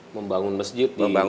membangun masjid di mana mana